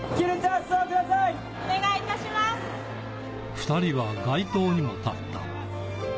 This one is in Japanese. ２人は街頭にも立った。